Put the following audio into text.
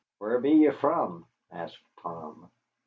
"Whar be ye from?" asked Tom.